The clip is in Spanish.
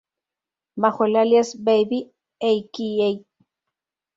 Bajo el alias Baby, a.k.a.